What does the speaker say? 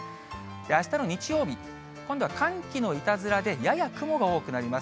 あしたの日曜日、今度は寒気のいたずらで、やや雲が多くなります。